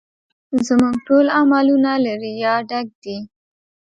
زموږ ټول عملونه له ریا ډک دي